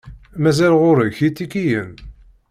Mazal ɣur-k itikiyen?